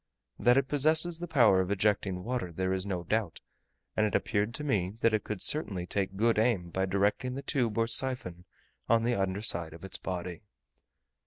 That it possesses the power of ejecting water there is no doubt, and it appeared to me that it could certainly take good aim by directing the tube or siphon on the under side of its body.